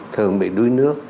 thường bị đối nước